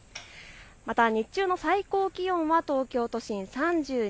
また日中の最高気温は東京都心３２．６度。